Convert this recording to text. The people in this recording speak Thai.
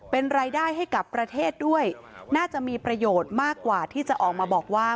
เป็นรายได้ให้กับประเทศด้วยน่าจะมีประโยชน์มากกว่าที่จะออกมาบอกว่า